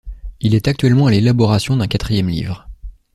Il est actuellement à l'élaboration d'un quatrième livre.